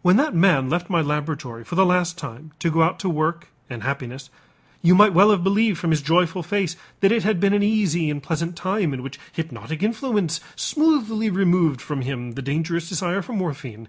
When that man left my laboratory for the last time to go out to work and happiness, you might well have believed from his joyful face that it had been an easy and pleasant time in which hypnotic influence smoothly removed from him the dangerous desire for morphine.